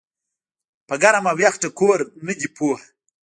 پۀ ګرم او يخ ټکور نۀ دي پوهه